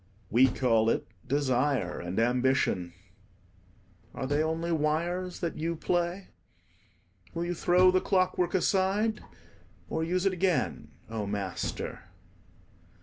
We call it desire and ambition: are they only wires that you play? Will you throw the clockwork aside, or use it again, O Master?